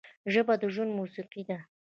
ژبه د ژوند موسیقي ده